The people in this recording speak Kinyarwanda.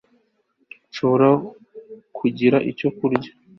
nshobora kugira icyo kurya